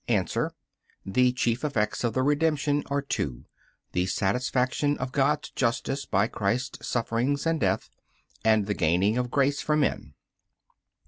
A. The chief effects of the Redemption are two: The satisfaction of God's justice by Christ's sufferings and death, and the gaining of grace for men.